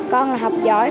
con là học giỏi